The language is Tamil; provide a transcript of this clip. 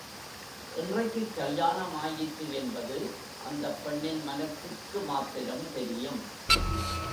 என்றைக்குக் கல்யாணம் ஆயிற்று என்பது அந்தப் பெண்ணின் மனத்திற்கு மாத்திரம் தெரியும்.